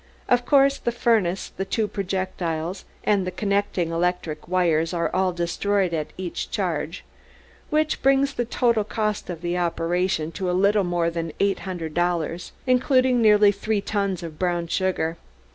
Of course the furnace, the two projectiles and the connecting electric wires are all destroyed at each charge, which brings the total cost of the operation to a little more than eight hundred dollars, including nearly three tons of brown sugar.